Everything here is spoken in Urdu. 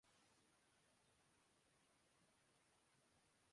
مِسٹر ہین نے جارجیا پیسیفک کی حیرانکن تبدیلی کو منظم بھِی کِیا